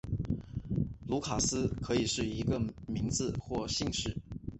卢卡斯可以是一个名字或姓氏。